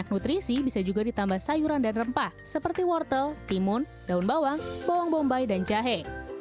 nutrisi bisa juga ditambah sayuran dan rempah seperti wortel timun daun bawang bawang bombay dan jahe